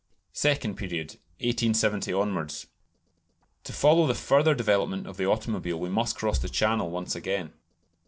Second Period (1870 onwards). To follow the further development of the automobile we must cross the Channel once again.